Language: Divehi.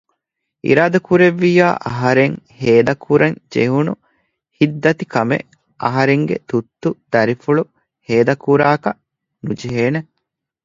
އިރާދަކުރެއްވިއްޔާ އަހަރެން ހޭދަ ކުރަން ޖެހުނު ހިއްތަދިކަމެއް އަހަރެންގެ ތުއްތު ދަރިފުޅު ހޭދަ ކުރާކަށް ނުޖެހޭނެ